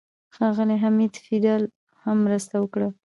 ښاغلي حمید فیدل هم مرسته وکړه.